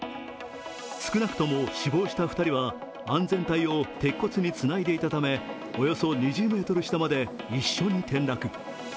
少なくとも死亡した２人は安全帯を鉄骨につないでいたためおよそ２０ｍ下まで一緒に転落。